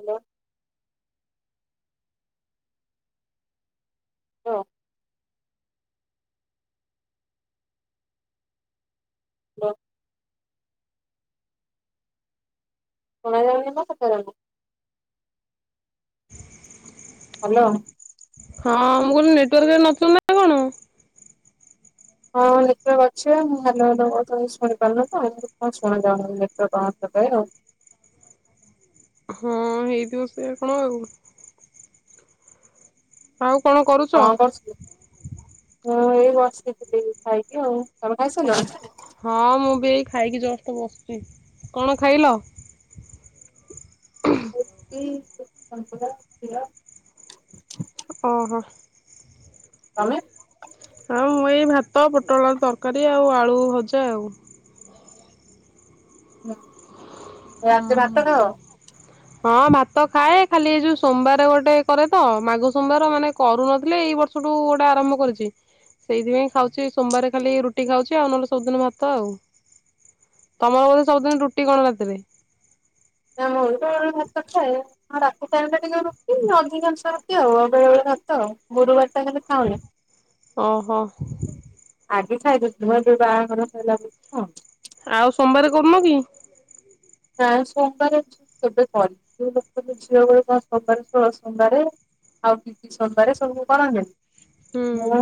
Hello. Hello. Hello. ଶୁଣା ଯାଉନି ମୋ କଥା ତାଙ୍କୁ। [inaudible] ହାଲୋ। ହଁ ମୁଁ କହିଲି ନେଟୱାର୍କରେ ନଥିଲ ନା କଣ? ହଁ ନେଟୱାର୍କ ପା ଅଛି ମୁଁ ହାଲୋ ହାଲୋ କୋହୁଚି ତମେ କିଛି ଶୁଣି ପାରୁନ ତ [inaudible] କଣ ଶୁାଣା ଯାଉନି ନେଟୱାର୍କ ପାଉ ନଥିବ ପ୍ରାୟ ଆଉ। ହଁ ହେଇଥିବ ସେଇୟା କଣ ଆଉ। ଆଉ କଣ କରୁ କଣ କରୁଥୁଲୁ ମୁଁ ଏଇ ବସିଥିଲି ଖାଇକି ଆଉ। ତମେ ଓ ଖାଇସାରିଲଣି? ହୋ ହଁ ମୁଁ ବି ଏଇ ଖାଇକି ଜଷ୍ଟ ବସଚି। କଣ ଖାଇଲ? [unintelligible] କି [inaudible] ଓହୋ। ତମେ। ଆଉ ମୁଁ ଏଇ ଭାତ ପୋଟଳ ତରକାରୀ ଆଉ ଆଳୁ ଭଜା ଆଉ। ନା। ହଁ। ହଁ ଭାତ ଖାଏ ଖାଲି ଏ ଯୋଉ ସୋମବାର ଗୋଟେ କରେ ତ ମାଘ ସୋମବାର ମାନେ କରୁନଥିଲି ଏଇ ବ ସଠୁ ଗୋଟେ ଆରମ୍ଭ କରିଚି। ସେଇଥିପାଇଁ ଖାଉଛି ସୋମବାର ଖାଲି ରୁଟି ଖାଉଛି ଆଉ ନହେଲେ ସବୁଦିନ ଭାତ ଆଉ। ତମର ବଧେ ସବୁଦିନ ରୁଟି କଣ ରାତିରେ। ନା ମୁଁ ତ ଭାତ ଖାଏ। ହଁ ରାତି ଟାଇମ ଟା ଟିକେ ରୁଟି ଅଧିକାଂଶ ରାତି ଆଉ ବେଳେବେଳେ ଭାତ ଆଉ। ଗୁରୁବାର ଟା ଖାଲି ଖାଉନି। ଓହୋ। ଆଗେ ଖାଇଦଉଥିଲୁ ଏବେ ବାହାଘର [unintelligible] ଆଉ ସୋମବାର କରୁନ କି। ପ୍ରାୟ ସୋମବାର କେବେ କରିିବି ଯୋଉ ଲୋକଙ୍କ ଝିଅ ବେଳୁ ସୋମବାର ଷୋଳ ସୋମବାରେ। ଆଉ କିଛି ସମ୍ବାରେ ସବୁ କରନ୍ତେ। ହୁଁ। ମୁଁ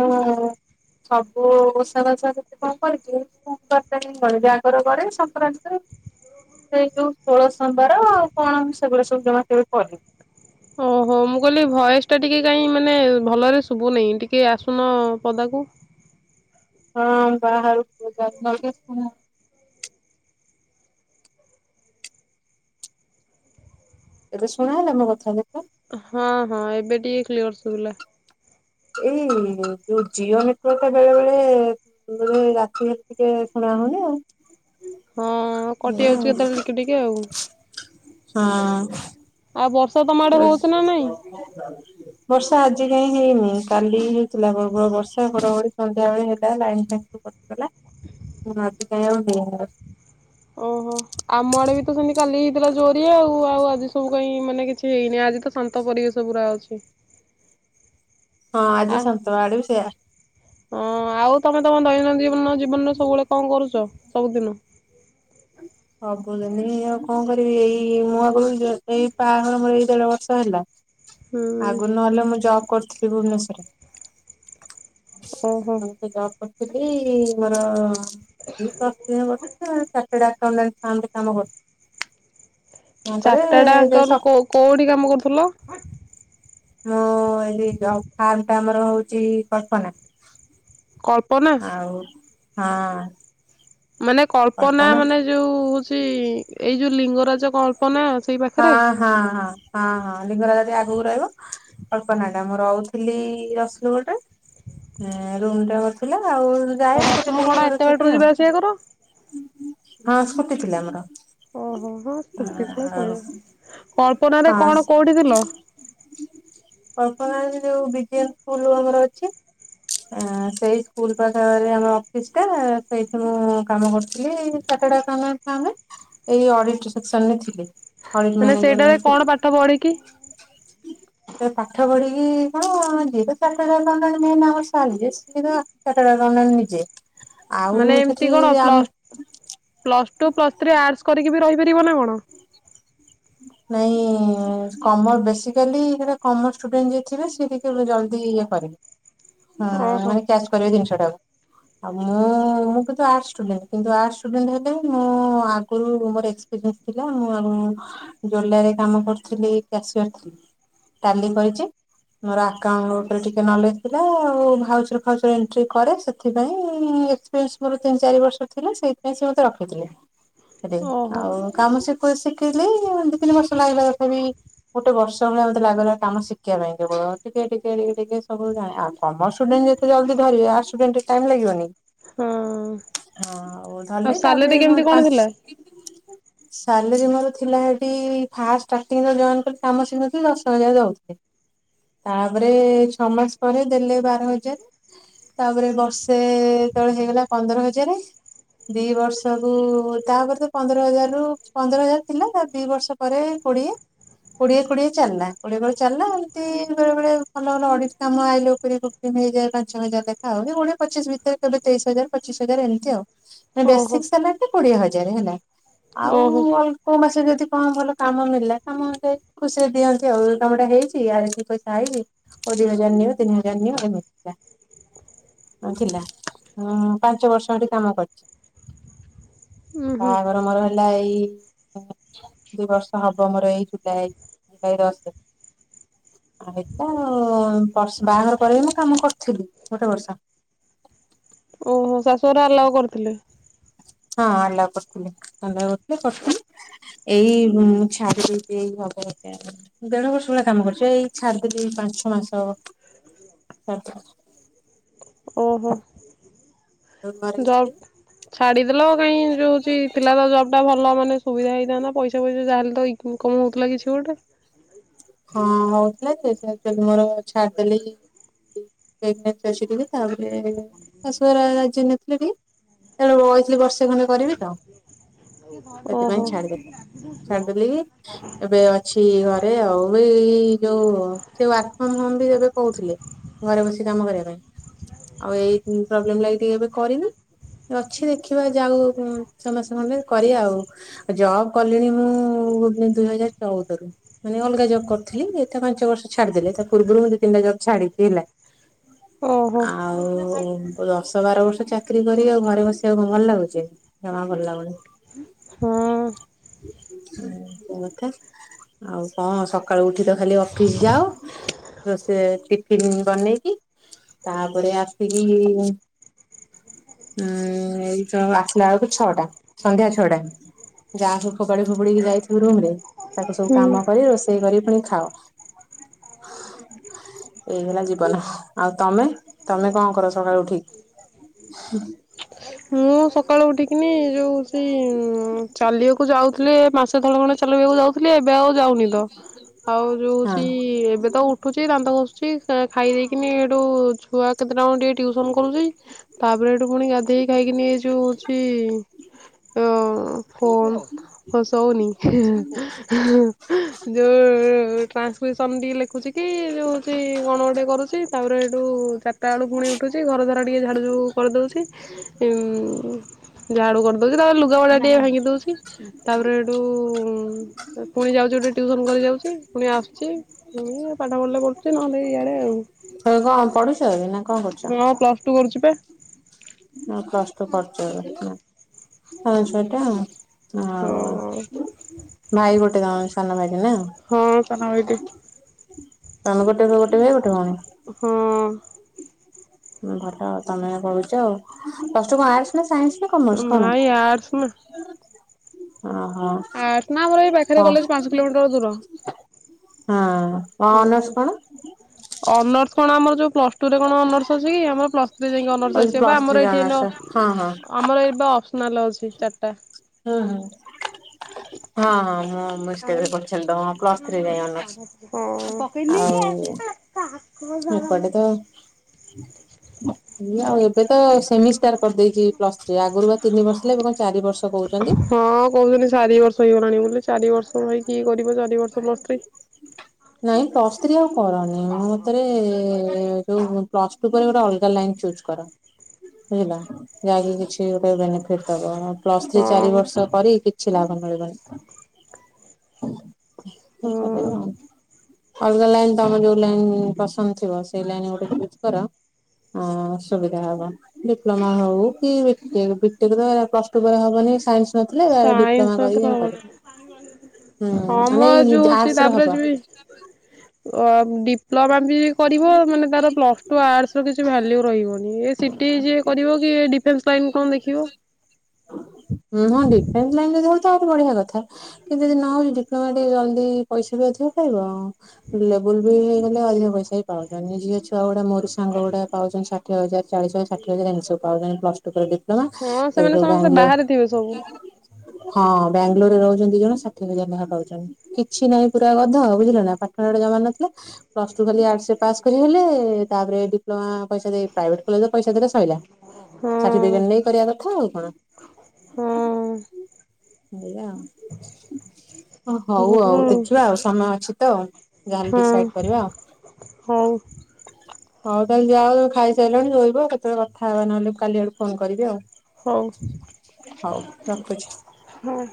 ସବୁ ଓଷା [unintelligible] କେତେ କଣ କରିବି। ସୋମବାରଟା ହିଁ କରେ ଜାଗର କରେ ସଂକ୍ରାନ୍ତି ତ ସେଇ ଯୋଉ ଷୋହଳ ସୋମବାର ଆଉ କଣ ସେଗୁଡା ସବୁ ଜମା କେବେ କରିନି। ଓହୋ ମୁଁ କହିଲି ଭୟସ୍ ଟା ଟିକେ କାଇ ମାନେ ଭଲରେ ଶୁଭୁ ନାହିଁ ଟିକେ ଆସୁନ ପଦାକୁ। ହଁ ବାହାରୁ ପଦାକୁ [inaudible] ଏବେ ଶୁଣା ହେଲା ମୋ କଥା ଦେଖ। ହଁ ହଁ ଏବେ ଟିକେ କ୍ଳିଅର ସୁଵିଲା। ଏଇ ଯୋଉ ଜିଓ ନେଟୱାର୍କ ଟା ବେଳେ ବେଳେ। ଏ ରାତିରେ ଟିକେ ଶୁଣା ହଉନି ଆଉ। ହଁ କଟି ଯାଉଛି କେତେବେଳେ ଟିକେ ଟିକେ ଆଉ। ହଁ। ଆଉ ବର୍ଷା ତମ ଆଡେ ହଉଛି ନା ନାଇଁ? ହୁଁ ବର୍ଷା ଆଜି କାହିଁ ହେଇନି କାଲି ହେଇଥିଲା ପ୍ରବଳ ବର୍ଷା ଘଡ ଘଡି ସନ୍ଧ୍ୟା ବେଳେ ହେଲା ଲାଇନ ଫାଇ ଗଲା ଆଜି କାଇଁ ଆଉ ହେଇନି। ଓହୋ ଆମ ଆଡେ ବି ତ ସେମିତି କାଲି ହେଇଥିଲା ଜୋରରେ ଆଉ ଆଉ ଆଜି ସବୁ କାଇଁ ମାନେ କିଛି ହେଇନି ଆଜି ତ ସା ତ ପରିବେଶ ପୁରା ଅଛି। ହଁ ଆଜି ଆ ଶାନ୍ତ ଆଡେ ବି ସେଇଆ। ହଁ ଆଉ ତମେ ତମ ଦୈନନ୍ଦିନ ଜୀବନ ଜୀବନରେ ସବୁବେଳେ କଣ କରୁଛ ସବୁଦିନ। ସବୁଦିନି ଆଉ କଣ କରିବି ଏଇ ମୁଁ ଆଗରୁ ଏଇ ପାହାଘର ମୋର ଏଇ ଦେଢ ବର୍ଷ ହେଲା। ହୁଁ ଆଗୁରୁ ନହେଲେ ମୁଁ ଜବ୍ କରିଥିଲି ଭୁବନେଶ୍ବରରେ। ଓହୋ ମୁଁ ତ ଜବ୍ କରୁଥିଲି ମୋର। [unintelligible] ଚାର୍ଟଡ଼ ଆକାଉଣ୍ଟ କଉ କୋଉଠି କାମ କରୁଥୁଲ? ମୁଁ [unintelligible] ଫାର୍ମ ଟା ଆମର ହଉଛି କଳ୍ପନା। କଳ୍ପନା। ଆଉ ହଁ। ମାନେ କଳ୍ପନା ମାନେ ଯୋଉ ସେଇ ଏଇ ଯୋଉ ଲିଙ୍ଗରାଜ କଳ୍ ପନା ସେଇ ପାଖେରେ। ହଁ ହଁ ହଁ ହଁ ଲିଙ୍ଗରା ନଦୀ ଆଗକୁ ରହିବ। ଅଳ୍ପନା ଟା ମୁଁ ରହୁଥିଲି ରସୁଲଗଡ଼ ରେ। ଉଁ ରୁମ୍ ଟା କରିଥିଲା ଆଉ ଯାଏ ସ୍କୁଟି ରସୁଲୁ କଣ ନେଇକି ମୋର ଏତେ ବାଟରୁ ଥିଲି ଆଉ। ଯିବା ଆସିବା କର? ହଁ ସ୍କୁଟି ଥିଲା ଆମର। ଓହୋ ହଁ ସ୍କୁଟି କୁ [inaudible] ପାସ। କଳ୍ପନା ଯୋଉ ବିଜେ ଫୁଲ ଆମର ଅଛି ସେଇ ସ୍କୁଲ ପାଖାପରେ ଆମ ଅଫିସ ଟା ସେଇଠି ମୁଁ କାମ କରୁଥିଲି ସାତଟା କାମ ଏଇ ଅଡିଟି ସେକ୍ସନ ଥିଲେ ଅଡିଟି ମାନେ ମ୍ୟନେଜର ସେଇଟାରେ କଣ ଥିଲି। ପାଠ ପଢିକି ଏ ପାଠ ପଢିକି କଣ ଯିବ [unintelligible] କାଲି [inaudible] ନିଜେ ଆଉ ମାନେ ଏମିତି ସେଠି କଣ ଆମେ plus plus two plus three arts କରିକି ବି ରହିପାରିବ ନା କଣ? ନାଇଁ କମ ବେସିକାଲି ଗଟେ କମର୍ସ ଷ୍ଟୁଡେଣ୍ଟ ଯଏ ଥିବେ ସେଏ ଟିକେ ଜଲଦି ଇଏ କରିବେ। ହୁଁ ଓହୋ ମାନେ କ୍ୟାଚ କରିବେ ଜିନିଷ ଟାକୁ। ଆଉ ମୁଁ ମୁଁ କିନ୍ତୁ ଆଡ୍ସ ସ୍ଟୁଡେଣ୍ଟ କିନ୍ତୁ ଆଡ୍ସ ହେଲେ ମୁଁ ଆଗୁରୁ ଥିଲା ମୁଁ ଆ ଜୁଏଲାରୀ କାମ କରିଥିଲି କ୍ୟାସିଆର ଥିଲି। ଡାଲି କରିଛି। ମୋର ଆକାଉଣ୍ଟରେ ଟିକେ ନଲେଜ ଥିଲା ଆଉ ଭାଉଚରେ ଫାଉଚରେ ଏଣ୍ଟ୍ରି କରେ ସେଥିପାଇଁ ମୋର ତିନି ଚାରି ବର୍ଷ ଥିଲା ସେଇଥିାଇଁ ସେ ମତେ ରଖିଥିଲେ। ଓହୋ ଆଉ କାମ ଶିଖିଇି ଦି ତିନି ବର୍ଷ ଲାଗିବା ତଥା ବିି ଗୋଟେ ବର୍ଷ ଭଳିଆ ମେ ଲାଗିଲା କାମ ଶିଖିବା ପାଇଁ କେବ ଟିକେ ଟିକେ ଟିକେ ଟିକେ ସବୁ ଜା ଆ କମର୍ଶ ସ୍ଟୁଡେଣ୍ଟ ଯେତେ ଜଲଦି ଧିରିବେ ଆଡ୍ସ ସ୍ଟୁଡେଣ୍ଟ ଟାଇମ ଲାଗିବନି। ହଁ। ହଁ ଆଉ ଧରିଲି ତାପରେ ସାଲେରୀ ମୁଁ କେମିତି କଣ ଥିଲା? ପାଞ୍ଚ ସାଲେରୀ ମୋର ଥିଲା ହେ ଏଠି ଫାଷ୍ଟ ଷ୍ଟାଟିଙ୍ଗି ଜଏନ କରି କାମ ଶିଖିନଥିଲି ଦଶ ହଜାର ଦଉଥିଲେ। ତାପରେ ଛଅ ମାସ ପରେ ଦେଲେ ବାର ହଜାର। ତାପରେ ବର୍ଷେ ଯେତେବେଳେ ହେଇଗଲା ପନ୍ଦର ହଜାରେ। ଦି ବର୍ଷକୁୁ ତାପରେ ତ ପନ୍ଦର ହଜାର ରୁ ପନ୍ଦର ହଜାର ଥିଲା ତା ଦି ବର୍ଷ ପରେ କୋଡିଏ। କୋଡିଏ କୋଡିଏ ଚାଲିଲା କୋଡିଏ କୋଡିଏ ଚାଲିଲା ଏମିତି ବେଳେ ବେଳେ ଭଲ ଭଲ ଅଡିଟ କାମ ଆଇଲେ [inaudible] ପାଞ୍ଚ ଛଅ ହଜାର ଲେଖା ହଉ କୋଡିଏ ପଚିଶ ଭିତରେ କେବେ ତେଇଶି ହଜାର ପଚିଶ ହଜାର ଏମିତି ଆଉ। ଓହୋ ବେସିକି ସାଲାରି କୋଡିଏ ହଜାର ହେଲା ଆଉ ଓହୋ ଅଳ୍ପ ମାସ ଯଦି କଣ ଭଲ କାମ ମଳିଲା କାମ ଅନୁସାରେ ଖୁସିରେ ଦିଅନ୍ତି ଆଉ ଏଇ କାମଟା ହେଇଛି ଆରେ ଏତିକି ପଇସା ଆଇଛିି। ହଉ ଦି ହଜାର ନିଅ ତିନି ହଜାର ନି ଥିଲା ପାଞ୍ଚ ବର୍ଷ ହେଠି କାମ କରିଛି। ଉୁଁ ହୁଁ ବାହାଘର ମର ହେଲା ଏଇ ଦୁଇ ବର୍ଷ ହବ ମୋର ଏଇ ଜୁଲାଇ ଜୁଲାଇ ଦଶ ଆଉ ହେଇଥିଲା ଆଉ ବର୍ଷ ବାହାଘର ପରେ ବି ମୁଁ କାମ କରିଥିଲି ଗୋଟେ ବର୍ଷ। ଓହୋ ଶାଶୁୁରା ଆଲାଓ କରିଥିଲେ। ହଁ ଆଲାଓ କରଥିଲଥିଲେି [inaudible] କରିଥିଲି। ଏଇ ଛାଡି ଦେଇଛି ଏଇ [inaudible] ଦେଢ ବର୍ଷ ଭଳିଆ କାମ କରିଛି ଏଇ ଛାଡିଦେଲି ପାଞ୍ଚଛ ମାସ ହବ। ଓହୋ। ଘରେ ଜବ୍ ହେଇଥିଲି ଛାଡିଦେଲ କାଇହିଁ ଯୋଉ ଥିଲା ତ ଜବ ଏଟା ଭଲ ମାନେ ସୁବିଧା ହେଇଥାନ୍ତା ପଇସା ଫଇସା ଯାହାଲେ ଇନଙ୍କମ ହଉଥିଲା କିଛି ଗୋଟେ। ହଁ ହଉଥିଲା ଯେ ମୋର ଛାଡିଦେଲି [inaudible] ଅଛି ଟିକେ ତାପରେ ଶାସୁ ଘରେ ରାଯି ନଥିଲେବି। ତେଣୁ ମୁଁ କହିଥିଲି ବର୍ଷେ ଖଣ୍ଡେ କରିବି ତ। ସେଥିପାଇଁ ଓହୋ ଛାଡିଦେଲି ଛାଡିଦେଲି ଏବେ ଅଛି ଘରେ ଆଉ। ଯୋଉ ସେ ୱାର୍କ ଫ୍ରମ ହୋମ ବି ଏବେ କହୁଥିଲେ ଘରେ ବସି କାମ କରିବା ପାଇଁ। ଆଉ ଏଇ ପ୍ରୋବ୍ଲେମ ଲାଗି ଟିକେ ଏବେ କରିନୁ। ଅଛି ଦେଖିବା ଯାଉ ଛଅ ମାସ ଖଣ୍ଡେ କରିବା ଆଉ ଆଉ ଜବ୍ କଲିଣି ମୁଁ ଦୁଇ ହଜାର ଚଉଦରୁ ମାନେ ଅଲଗା ଜବ୍। କରୁଥିଲି ଏ ପାଞ୍ଚ ବର୍ଷ ଛାଡିଦେଲେ ତା ପୂର୍ବରୁ ମୁଁ ଦି ତିନିଟା ଜବ ଛାଡିଛି ହେଲା। ଓହୋ ଆଉ ଦଶ ବାର ବର୍ଷ ଚା କରି ଆଉ ଘରେ ବସିବାକୁ ଭଲ ଲାଗୁଛି ଜମା ଭଲ ଲାଗୁନି। ହଁ ହଁ କଥା ଆଉ କଣ ସକାଳୁ ଉଠି ତ ଖାଲି ଅଫିସ ଯାଅ ରୋଷେଇ ଟିଫିନ୍ ବନେଇକି। ତାପରେ ଆସିକି ଉଁ ଏଇ ଆସିଲା ବେଳକୁ ଛଅଟା ସନ୍ଧ୍ୟା ଛଅଟା ଯାହା ଫୋପାଡି ଫୋପାଡିକି ଯାଇଥିବୁ ରୁମରେ ତାକୁ ସବୁ ହୁଁ। କାମ କରି ରୋଷେଇ କରି ପୁଣି ଖାଅ। ଏଇ ହେଲା ଜୀବନ ଆଉ ତମେ ତମେ କଣ କର ସକାଳୁ ଉଠିକି? ହୁଁ ମୁଁ ସକାଳୁ ଉଠିକିନି ଯୋଉ ସେ ଚାଲିବାକୁ ଯାଉଥିଲେ ମାସେ ତଳ ଖଣ୍ଡେ ଚାଲିବାକୁ ଯାଉଥିଲି ଥିଲି ଏବେ ଆଉ ଯାଉନି ତ ଆଉ ଯୋଉ ହଁ ସେଇ ଏବେ ତ ଉ ଉଠୁଛି ଦାନ୍ତ ଘଷୁଛି ଖାଇ ଦେଇକିନି ଏଠୁ ଛୁଆ କେତେଟାଙ୍କୁ ଟିକେ ଟିଉସନ କରୁଛି ତାପରେ ଏଠୁ ପୁଣି ଗାଧେଇକି ଖାଇକି ଯୋଉ ହଉଛି ତ ଫୋନ୍ ସୋଉନି ଯୋଉ ଟ୍ରାନ୍ସ ଟୁସନ ଟିକେ ଲେଖୁଛି କି ଉ ହଉଛି କଣ ଗୋଟେ କରୁଛି ତାପରେ ଏଇଠୁ ଚାରିଟା ପୁଣି ଉଠୁଛି ସେ ଘରଦ୍ୱାର ଟିକେ ଝାଡ଼ୁଯୋଉ କରିଦେଉଛି। ଝାଡ଼ୁ କରିଦେଉଛି ତାପରେ ଲୁଗାପଟା ଟିକିଏ ଭାଙ୍ଗି ଦେଉଛି ତାପରେ ଏଠୁ ପୁଣି ଯାଉଛି ଗୋଟେ ଟ୍ୟୁସନ କରି ଯାଉଛି ପୁଣି ଆଶୁଛି। ମୁଁ ପାଠ ପଢିଲେ ପଡୁଛି ନହେଲେ ଇଆଡେ ଆଉ କଣ ପଢୁଛ ନା କଣ କରୁଛ? ପ୍ଲସ୍ ଟୁ କରୁଛି ବା। ହଁ ପ୍ଲସ ଟୁ ପ୍ଲସ ଟୁ କଣ ସେଇଟା? ହଁ ହଉ ଭାଇ ଗୋଟେ ତାଙ୍କ ସାନ ଭାଇଟାନା। ହଁ ସାନ ଭାଇଟେ। ତମେ ଗୋଟେ ପୁଅ ଭାଇ ଗୋଟେ ଭଉଣୀ। ହଁ। ହଁ ଭଲ ଆଉ ତମେ କରୁଛ ଆଉ ପ୍ଲସ ଟୁ କଣ ଆର୍ଟସ ନା ସାଇନ୍ସ ନା କମର୍ସ କଣ ନାଇଁ ଆର୍ଟ୍ସ ନା ଓହୋ। ଆର୍ଟସ ନା ଆମର ଏଇ କ ପାଖରେ ହଁ କଲେଜ ପାଞ୍ଚ କିଲୋମିଟର ଦୂର। ହଁ। ହୁଁ ଅନର୍ସ କଣ ଆମର ଯୋଉ ପ୍ଲସ ଟୁରେ କଣ ଅନର୍ସ ଅଛି କି ଆମର ପ୍ଲସ ଥ୍ରୀ ଯାଇକି ଓ ଅନର୍ସ ଆସିବ ପା ପ୍ଲସ୍ ଥ୍ରୀ ଆମର ଏଠି ଅନର୍ସ ହଁ ହଁ। ଆମର ଅ ଅପ୍ସ୍ନାଲ ଅଛି ଚାରଟା। ହୁଁ ହୁଁ। ହଁ ହଁ ମୁଁ ତ ଅନ୍ୟମନସ୍କ ରେ ପଚାରିଲି ପ୍ଲସ ହଁ ଥ୍ରୀରେ ଯାଇ ଅନର୍ସ। ଆଉ ହଁ। ଏପଟେ ତ ଆଉ ଏବେ ତ ସେମିଷ୍ଟାର କରିଦେଇଛି ପ୍ଲସ ଥ୍ରୀ ଆଗରୁ ବା ତିନି ବର୍ଷ ଥିଲା ଏବେ କଣ ଚାରି ବର୍ଷ କହୁଛନ୍ତି? ହଁ କହୁଛନ୍ତି ଚାରି ବର୍ଷ ହେଇଗଲାଣି ବୋଲି ଚାରି ବର୍ଷ ଭାଇ କିଏ କରିବ ଚାରି ବର୍ଷ ପ୍ଲସ ଥ୍ରୀ? ନାଇଁ ପ୍ଲସ୍ ଥ୍ରୀ ଆଉ କରନି ମୋ ମତରେ ଯୋଉ ପ୍ଲସ୍ ଟୁ ପରେ ଗୋଟେ ଅଲଗା ଲାଇନ୍ ଚୁଜ୍ କର। ହେଲା ଯାହାକି କିଛି ଗୋଟେ ବେନିଫିଟ୍ ଦବ। ପ୍ଲସ୍ ଥ୍ରୀ ଚାରି ହଁ ବର୍ଷ କରି କିଛି ଲାଭ ମିଳିବନି। ହଁ କଣ କରିବା ଆଉ ଅଲଗା ଲାଇନ ତମେ ଯୋଉ ଲାଇନ ପସନ୍ଦ ଥିବ ସେଇ ଲାଇନ୍ ଗୋଟେ ଚୁଜ୍ କର। ହଁ ଅସୁବିଧା ହବ। ଡିପ୍ଲୋମା ହଉ କି ବିଟେକ ବିଟେକ୍ ରେ ପ୍ଲସ ଟୁ ପରେ ହବନି ସାଇନ୍ସ ନଥିଲେ ଡିପ୍ଲୋମା ସାଇନ୍ସ ତ କରି ଏ ହବନି। କରିବୁ, ମ ହଁ ଯୋଉ ଏୟୀ ହଉଛି ଆର୍ଟସରେ ତାପରେ ହବ। ଯିବି [unintelligible] ଅ ଡି ଡିପ୍ଲୋମା ବି କରିବ ମାନେ ତାର ପ୍ଲସ ଟୁ ଆର୍ଟସ ର କିଛି ଭାଲ୍ୟୁ ରହିବନି। ଏ ସି ଟି ଯିଏ କରିବ କି ଏ ଡି ଡିଫେନ୍ସ ଲାଇନ କଣ ଦେଖିବ। ଉୁଁ ହଁ ଡିଫେନ୍ସ ଲାଇନ ରେ ଯିବୁ ତ ଆହୁରି ବଢିଆ କଥା। କିନ୍ତୁ ଯଦି ନ ହଉଛି ଡିପ୍ଲୋମା ଟିକେ ଜଲ୍ଦି ପଇସା ବି ଅଧିକ ଖାଇବ। ଲେବୁଲ ବି ହେଇଗଲେ ଅଧିକ ପଇସା ବି ପାଉଛନ୍ତି। ଝିଅ ଛୁଆ ଗୁଡା ମୋର ସାଙ୍ଗ ଗୁଡାକ ପାଉଛନ୍ତି ସା ଷଠିଏ ହାଜର, ଚାଳିଶ ହାଜର, ଷାଠିଏ ହାଜର ଏମିତି ସବୁ ପାଉଛନ୍ତି ପ୍ଲସ୍ ଟୁ ଡିପ୍ଲୋମା ହଁ ଏବେ ସେମାନେ ସବୁ ସମସ୍ତେ ବ୍ୟାଙ୍ଗଲୋରେ ବାହାରେ ଥିବେ ସବୁ ହଁ ବାଙ୍ଗାଲୋରରେ ରହୁଛନ୍ତି ଦି ଜଣ ଷାଠିଏ ହଜାର ଲେଖା ପାଉଛନ୍ତି। କିଛି ନାହିଁ ପୁରା ଗଧ ବୁଝିଲ ନା ପାଠ ଷାଠ ଜମା ନଥିଲା ପ୍ଲସ୍ ଟୁ ଖାଲି ଆର୍ଟସରେ ପାସ୍ କରିଗଲେ ତାପରେ ଡିପ୍ଲୋମା ପଇସା ଦେଇ ପ୍ରାଇଭେଟ କଲେଜରେ ପଇସା ଦେଲେ ସରିଲା, ହଁ ସାର୍ଟିଫିକେଟ ନେଇ କରିଆ କଥା ଆଉ କଣ। ହଁ। ଏୟା ଆଉ। ହଉ ଆଉ ଦେଖିବା ଆଉ ସମୟ ଅଛି ତ ଯାହେଲେ ହଁ ଡିସାଇଡ କରିବା ଆଉ। ହଉ। ହଉ ତାହେଲେ ଯାଅ ଖାଇସାରିଲଣି ଧୋଇବ କେତେବେଳେ କଥା ହେବା ନହେଲେ କାଲି ଆଡୁ ଫୋନ କରିବି ଆଉ। ହଉ ହଉ ରଖୁଛି। ହଁ।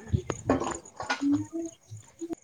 ହୁଁ।